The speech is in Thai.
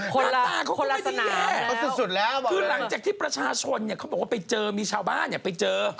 หน้าตาเขาไม่ดีแหละคือหลังจากที่ประชาชนเขาบอกว่าไปเจอมีชาวบ้านไปเจอ